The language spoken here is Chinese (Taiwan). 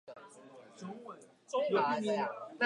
為什麼要睡覺？